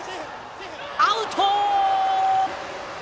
アウト！